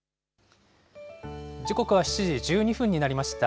時刻は７時１２分になりました。